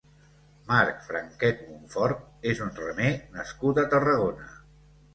Marc Franquet Montfort és un remer nascut a Tarragona.